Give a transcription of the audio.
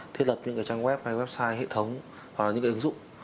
thiết lập những trang web hay website hệ thống hoặc những ứng dụng